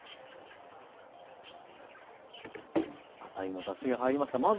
あさりのだしが入りました。